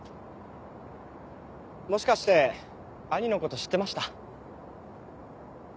もしかして兄のこと知ってました？